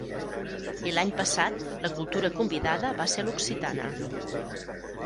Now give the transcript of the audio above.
I l'any passat la cultura convidada va ser l'occitana.